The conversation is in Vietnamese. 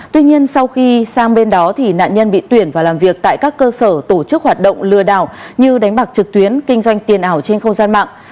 tuy nhiên sau khi sang bên đó nạn nhân bị tuyển và làm việc tại các cơ sở tổ chức hoạt động lừa đảo như đánh bạc trực tuyến kinh doanh tiền ảo trên không gian mạng